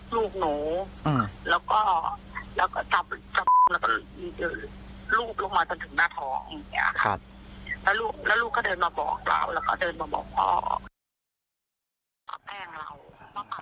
เล่า